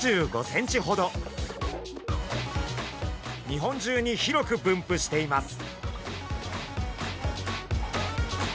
日本中に広く分布しています。